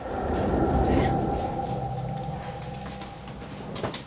えっ！？